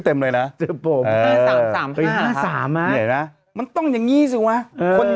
เต็มเลยน่ะเออสามสามห้าสามน่ะมันต้องอย่างงี้สิวะคน